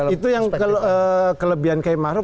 itu yang kelebihan kiai maruf